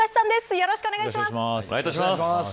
よろしくお願いします。